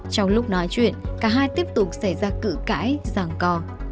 trong lúc nói chuyện cả hai tiếp tục xảy ra cử cãi giảng co